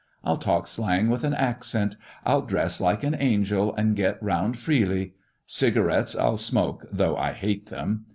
I'll talk slang with an accent. I'll dress like an angel, and get round freely. Cigarettes I'll smoke, though I hate them.